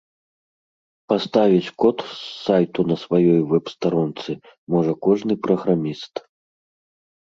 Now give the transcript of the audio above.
Паставіць код з сайту на сваёй вэб-старонцы можа кожны праграміст.